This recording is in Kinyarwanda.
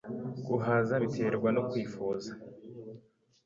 Guhazwa biterwa no kwifuza